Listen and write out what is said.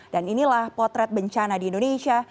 dan inilah potret bencana di indonesia